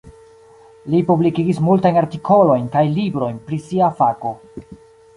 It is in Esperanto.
Li publikigis multajn artikolojn kaj librojn pri sia fako.